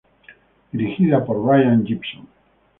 Dirigida por Brian Gibson.